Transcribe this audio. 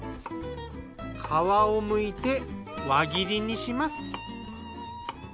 皮をむいて輪切りにします。